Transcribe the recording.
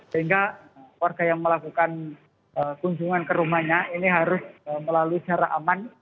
sehingga warga yang melakukan kunjungan ke rumahnya ini harus melalui cara aman